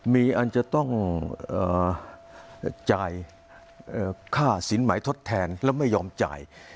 มีอันจะต้องจ่ายค่าสินหมายทดแทนแล้วไม่ยอมจ่าย